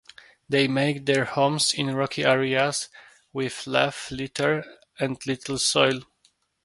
They make their homes in rocky areas with leaf litter and little soil.